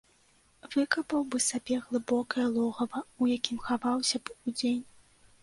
Выкапаў бы сабе глыбокае логава, у якім хаваўся б удзень.